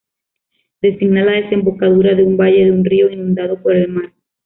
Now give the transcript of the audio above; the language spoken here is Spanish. Designa la desembocadura de un valle de un río inundado por el mar.